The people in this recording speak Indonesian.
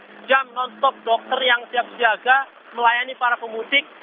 di sana ada dua puluh empat jam nonstop dokter yang siap jaga melayani para pemudik